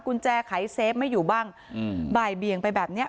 กุญแจขายเซฟไม่อยู่บ้างอืมบ่ายเบียงไปแบบเนี้ย